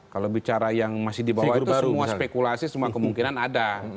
kalau bicara yang masih di bawah itu semua spekulasi semua kemungkinan ada